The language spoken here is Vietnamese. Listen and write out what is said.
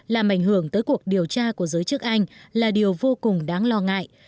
làm ảnh hưởng tới cuộc điều tra của giới chức anh là điều vô cùng đáng lo ngại